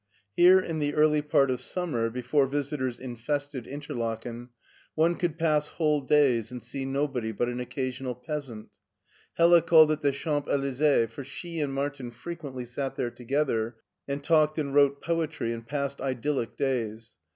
Here in the early part of simimer, before visitors in fested Interiaken, one could pass whole days and see nobody but an occasional peasant. Hella called it the Champs Elysees, for she and Martin frequently sat there together and talked and wrote poetry and passed idyllic days.